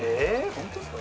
本当ですか？